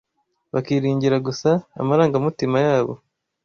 bakiringira gusa amarangamutima yabo